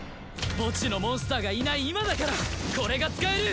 墓地のモンスターがいない今だからこれが使える！